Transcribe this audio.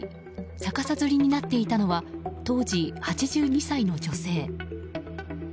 逆さづりになっていたのは当時８２歳の女性。